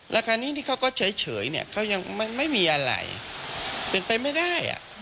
แล้วคราวนี้ที่เขาก็เฉยเนี่ยเขายังไม่มีอะไรเป็นไปไม่ได้